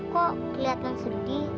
kok kelihatan sedih